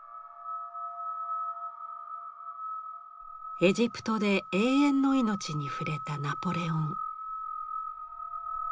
エジプトで永遠の命に触れたナポレオン。